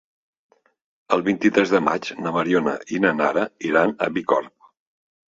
El vint-i-tres de maig na Mariona i na Nara iran a Bicorb.